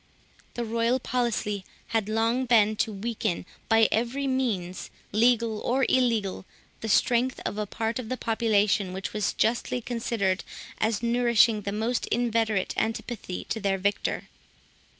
The royal policy had long been to weaken, by every means, legal or illegal, the strength of a part of the population which was justly considered as nourishing the most inveterate antipathy to their victor.